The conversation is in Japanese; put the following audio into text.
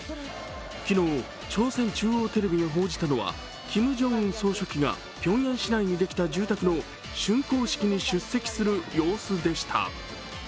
昨日、朝鮮中央テレビが報じたのはキム・ジョンウン総書記がピョンヤン市内にできた住宅の竣工式に出席する様子でした。